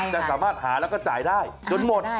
จะสามารถหาแล้วก็จ่ายได้จนหมด